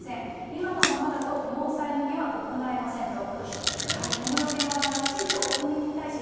今のままだと納采の儀は行えませんと。